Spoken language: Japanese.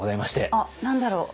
あっ何だろう？